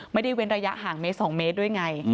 เว้นระยะห่างเมตร๒เมตรด้วยไง